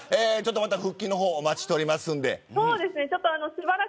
復帰の方お待ちしていますので。